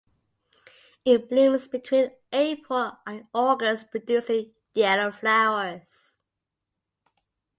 It blooms between April and August producing yellow flowers.